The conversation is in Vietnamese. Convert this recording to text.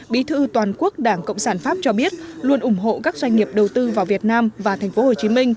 bí thư toàn quốc đảng cộng sản pháp cho biết luôn ủng hộ các doanh nghiệp đầu tư vào việt nam và tp hcm